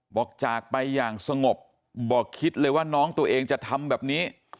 บอกจากไปอย่างสงบบอกคิดเลยว่าน้องตัวเองจะทำแบบนี้